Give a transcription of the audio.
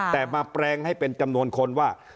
แต่มาแปลงให้เป็นจำนวนคนว่า